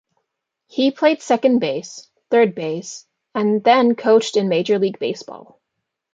He played second base, third base, and then coached in Major League Baseball.